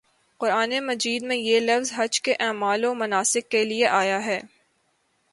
قرآنِ مجید میں یہ لفظ حج کے اعمال و مناسک کے لیے آیا ہے